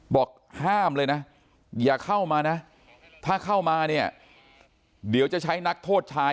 บอกห้ามเลยนะอย่าเข้ามานะถ้าเข้ามาเนี่ยเดี๋ยวจะใช้นักโทษชาย